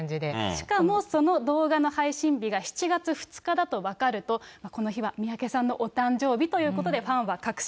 しかも、その動画の配信日が、７月２日だと分かると、この日は三宅さんのお誕生日ということで、ファンは確信。